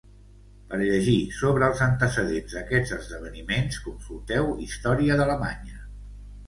Per llegir sobre els antecedents d'aquests esdeveniments, consulteu Història d'Alemanya.